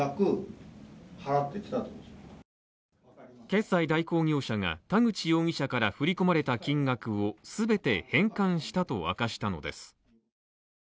決済代行業者が田口容疑者から振り込まれた金額を全て返還したと明かしたのです。